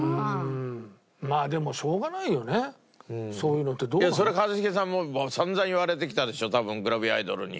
まあでもしょうがないよねそういうのって。それ一茂さんも散々言われてきたでしょ多分グラビアアイドルに。